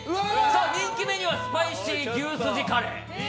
人気メニューはスパイシー牛すじカレー。